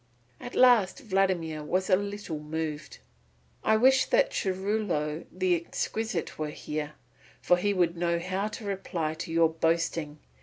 At last Vladimir was a little moved. "I wish that Churilo the Exquisite were here, for he would know how to reply to your boasting."